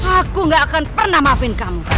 aku gak akan pernah maafin kamu